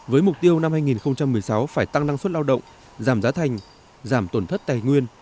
với mục tiêu năm hai nghìn một mươi sáu phải tăng năng suất lao động giảm giá thành giảm tổn thất tài nguyên